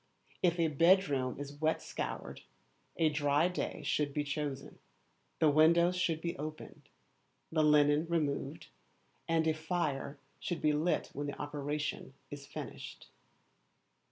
If a bedroom is wet scoured, a dry day should be chosen the windows should be opened, the linen removed, and a fire should be lit when the operation is finished.